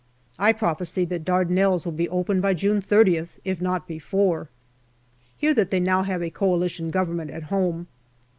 I prophesy that Dardanelles will be open by June 30th, if not before. Hear that they now have a Coalition Government at home.